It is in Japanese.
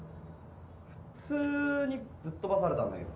普通にぶっ飛ばされたんだけど。